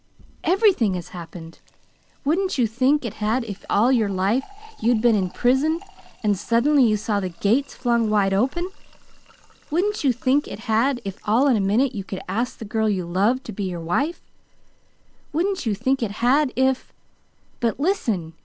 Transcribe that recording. "Everything has happened! Wouldn't you think it had if all your life you'd been in prison, and suddenly you saw the gates flung wide open? Wouldn't you think it had if all in a minute you could ask the girl you loved to be your wife? Wouldn't you think it had if But, listen!